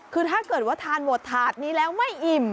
คือถ้าเกิดว่าทานหมดถาดนี้แล้วไม่อิ่ม